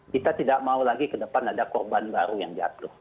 kita tidak mau lagi ke depan ada korban baru yang jatuh